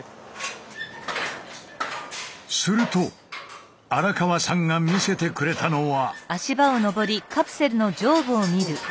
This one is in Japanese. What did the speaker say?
すると荒川さんが見せてくれたのは。